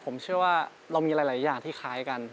ผมจะพยายามทำทุกอย่างเพื่อคุณ